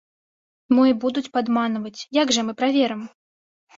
Мо і будуць падманваць, як жа мы праверым?